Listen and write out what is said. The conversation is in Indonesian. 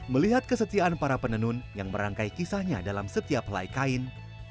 melihat kesetiaan para penenun yang merangkai kisahnya dalam setiap helai kain